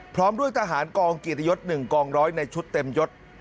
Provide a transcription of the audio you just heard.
พร้อมด้วยทหารกองเกียรติยศ๑กองร้อยในชุดเต็มยศ